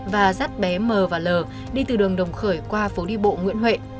và dắt bé mờ và lờ đi từ đường đồng khởi qua phố đi bộ nguyễn huệ